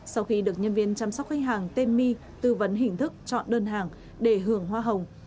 sau khi được nhân viên chăm sóc khách hàng tên my tư vấn hình thức chọn đơn hàng để hưởng hoa hồng